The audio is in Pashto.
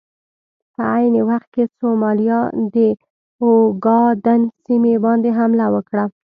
په عین وخت کې سومالیا د اوګادن سیمې باندې حمله وکړه.